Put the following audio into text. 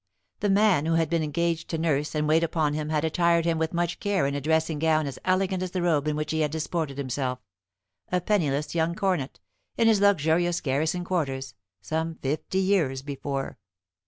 The man who had been engaged to nurse and wait upon him had attired him with much care in a dressing gown as elegant as the robe in which he had disported himself, a penniless young cornet, in his luxurious garrison quarters, some fifty years before.